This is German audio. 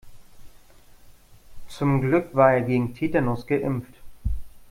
Zum Glück war er gegen Tetanus geimpft.